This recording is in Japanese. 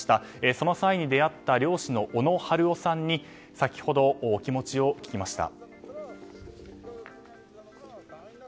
その際に出会った漁師の小野春雄さんに先ほど気持ちを聞きました。